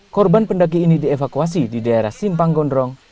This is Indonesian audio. korban pendaki ini dievakuasi di daerah simpang gondrong